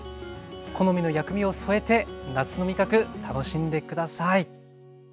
好みの薬味を添えて夏の味覚楽しんで下さい。